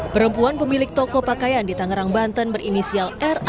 perempuan pemilik toko pakaian di tangerang banten berinisial ra